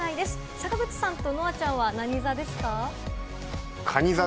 坂口さんと乃愛ちゃんは何座ですか？